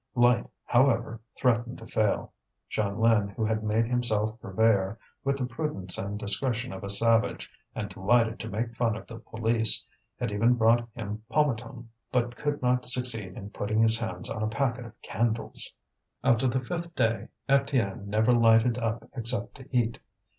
Light, however, threatened to fail. Jeanlin, who had made himself purveyor, with the prudence and discretion of a savage and delighted to make fun of the police, had even brought him pomatum, but could not succeed in putting his hands on a packet of candles. After the fifth day Étienne never lighted up except to eat.